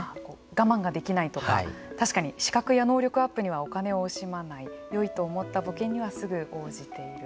我慢ができないとか確かに資格や能力アップにはお金を惜しまないよいと思った募金にはすぐ応じている。